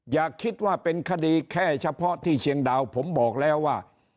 อย่าคิดว่าเป็นคดีแค่เฉพาะที่เชียงดาวผมบอกแล้วว่า